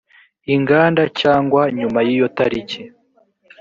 inganda cyangwa nyuma y’iyo tariki